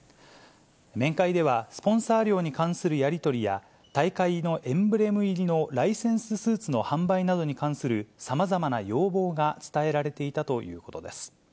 面会では、スポンサー料に関するやり取りや、大会のエンブレム入りのライセンススーツの販売などに関するさまざまな要望が伝えられていたということです。